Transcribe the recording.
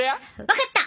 分かった！